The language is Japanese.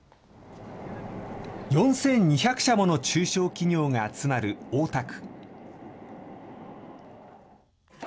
４２００社もの中小企業が集まる大田区。